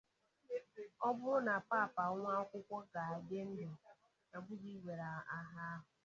Ọ bụrụ na papa nwa akwukwo ka dị ndụ, a pụghị iwere aha ahụ.